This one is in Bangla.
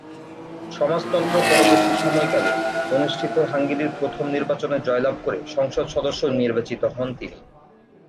সমাজতন্ত্র পরবর্তী সময়কালে অনুষ্ঠিত হাঙ্গেরির প্রথম নির্বাচনে জয়লাভ করে সংসদ সদস্য নির্বাচিত হন তিনি।